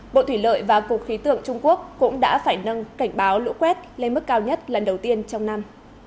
bộ thủy lợi và cục khí tượng trung quốc cũng đã phải nâng cảnh báo lũ quét lên mức cao nhất lần đầu tiên trong năm